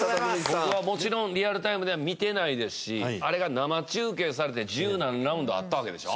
僕はもちろんリアルタイムでは見てないですしあれが生中継されて十何ラウンドあったわけでしょ？